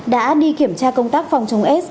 đã đi kiểm tra công tác phòng chống s